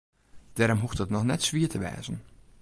Dêrom hoecht it noch net wier te wêzen.